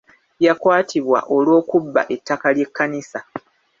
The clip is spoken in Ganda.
Yakwatibwa olw'okubba ettaka ly'ekkanisa.